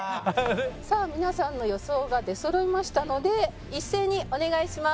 さあ皆さんの予想が出そろいましたので一斉にお願いします。